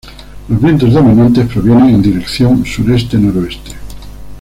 Los vientos dominantes provienen en dirección sureste-noroeste.